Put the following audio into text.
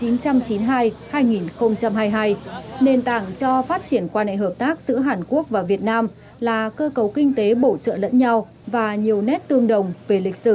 quan hệ hợp tác giữa hàn quốc và việt nam là cơ cấu kinh tế bổ trợ lẫn nhau và nhiều nét tương đồng về lịch sử văn hóa